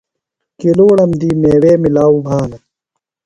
کِلُوڑم دی میوے مِلاؤ بھانہ۔